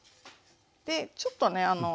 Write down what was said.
でちょっとね